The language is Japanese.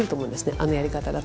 あのやり方だと。